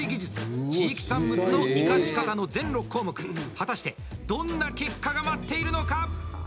果たしてどんな結果が待っているのか。